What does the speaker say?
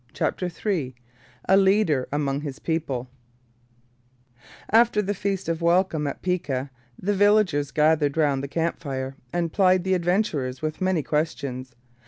CHAPTER III A LEADER AMONG HIS PEOPLE After the feast of welcome at Piqua the villagers gathered round the camp fire and plied the adventurers with many questions.